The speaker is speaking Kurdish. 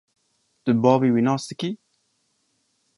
Tu bavê wî nas dikî?